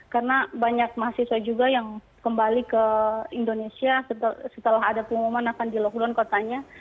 karena banyak mahasiswa juga yang kembali ke indonesia setelah ada pengumuman akan di logon kotanya